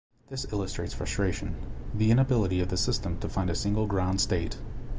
This illustrates frustration: the inability of the system to find a single ground state.